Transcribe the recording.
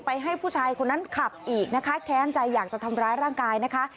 ให้ผู้ชายคนนั้นขับอีกนะคะแค้นใจอยากจะทำร้ายร่างกายนะคะ